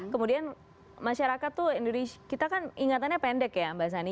kemudian masyarakat tuh kita kan ingatannya pendek ya mbak sani